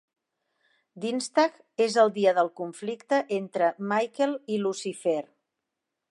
"Dienstag" és el dia del conflicte entre Michael i Lucifer.